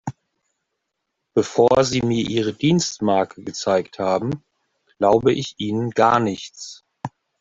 Bevor Sie mir Ihre Dienstmarke gezeigt haben, glaube ich Ihnen gar nichts.